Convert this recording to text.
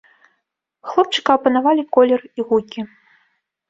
Хлопчыка апанавалі колеры і гукі.